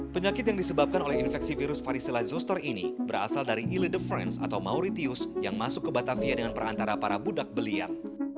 penyakit yang disebabkan oleh infeksi virus varicela zoster ini berasal dari illedeference atau mauritius yang masuk ke batavia dengan perantara para budak beliat